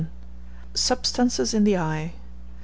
SUBSTANCES IN THE EYE.